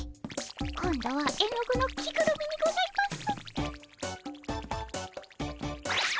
今度は絵の具の着ぐるみにございます。